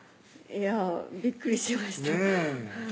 いやびっくりしました